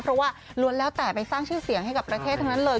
เพราะว่าล้วนแล้วแต่ไปสร้างชื่อเสียงให้กับประเทศทั้งนั้นเลย